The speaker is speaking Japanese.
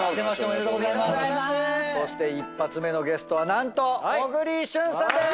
そして１発目のゲストは何と小栗旬さんでーす！